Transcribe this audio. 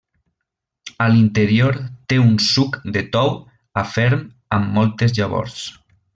A l'interior té un suc de tou a ferm amb moltes llavors.